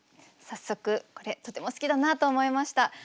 早速これとても好きだなと思いました。